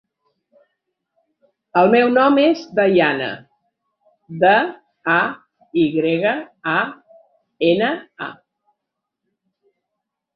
El meu nom és Dayana: de, a, i grega, a, ena, a.